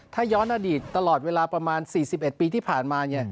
ถ้าย้อนอดีตตลอดเวลาประมาณ๔๑ปีที่ผ่านมา